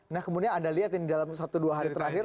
nah kemudian anda lihat ini dalam satu dua hari terakhir